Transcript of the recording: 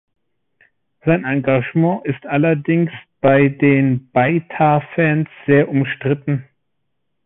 Sein Engagement ist allerdings bei den Beitar-Fans sehr umstritten.